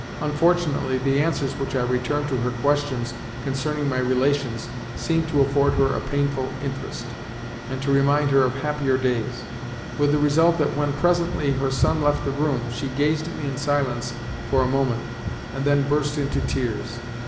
Unfortunately, the answers which I returned to her questions concerning my relations seemed to afford her a painful interest, and to remind her of happier days: with the result that when, presently, her son left the room, she gazed at me in silence for a moment, and then burst into tears.